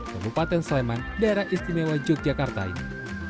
kabupaten sleman daerah istimewa yogyakarta ini